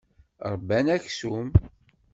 Ṛebban aksum.